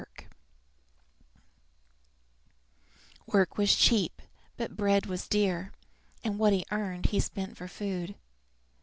Work was cheap, but bread was dear, and what he earned he spent for food.